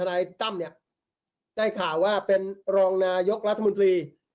นายตั้มเนี่ยได้ข่าวว่าเป็นรองนายกรัฐมนตรี